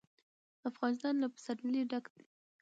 افغانستان له پسرلی ډک دی.